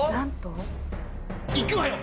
いくわよ。